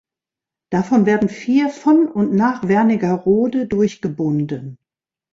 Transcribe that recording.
Davon werden vier von und nach Wernigerode durchgebunden.